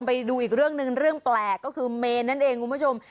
ไปดูอีกเรื่องหนึ่งเรื่องแปลกก็คือเมนนั่นเองคุณผู้ชม